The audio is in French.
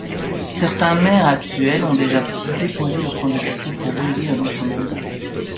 Certains maires actuels ont déjà déposé leur candidature pour briguer un autre mandat.